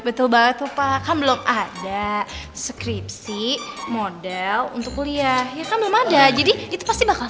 betul banget tuh pak kan belum ada skripsi model untuk kuliah ya kan belum ada jadi itu pasti bakal